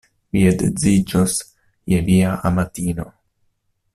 Vi edziĝos je via amatino.